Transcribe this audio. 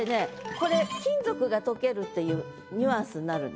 これ金属がとけるっていうニュアンスになるんです。